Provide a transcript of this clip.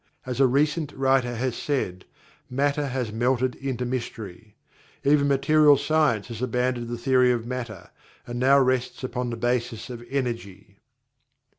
As a recent writer has said "Matter has melted into Mystery." Even Material Science has abandoned the theory of Matter, and now rests on the basis of "Energy."